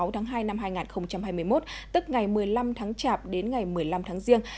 tháng hai năm hai nghìn hai mươi một tức ngày một mươi năm tháng chạp đến ngày một mươi năm tháng giêng